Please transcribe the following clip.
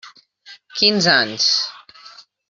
Quinze anys.